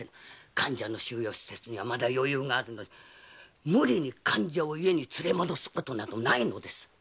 患者の収容施設にまだ余裕があるのに無理に患者を家に連れ戻すことなどないのです！